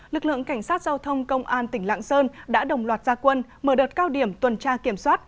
lực lượng cảnh sát giao thông công an tỉnh lạng sơn đã đồng loạt gia quân mở đợt cao điểm tuần tra kiểm soát